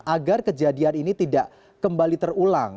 agar kejadian ini tidak kembali terulang